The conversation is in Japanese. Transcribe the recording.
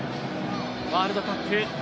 ワールドカップ